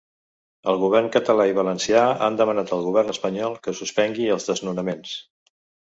Els governs català i valencià han demanat al govern espanyol que suspengui els desnonaments.